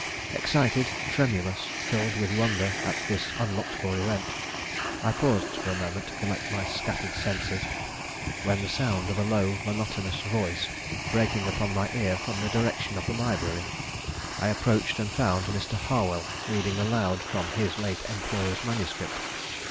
Excited, tremulous, filled with wonder at this unlooked for event, I paused for a moment to collect my scattered senses, when the sound of a low, monotonous voice breaking upon my ear from the direction of the library, I approached and found Mr. Harwell reading aloud from his late employer's manuscript.